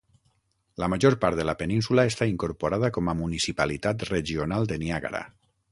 La major part de la península està incorporada com a Municipalitat Regional de Niàgara.